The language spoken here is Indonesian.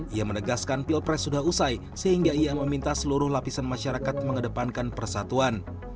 ia menegaskan pilpres sudah usai sehingga ia meminta seluruh lapisan masyarakat mengedepankan persatuan